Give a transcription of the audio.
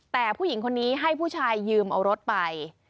แต่ผู้หญิงคนนี้ให้ผู้ชายยืมเอารถไป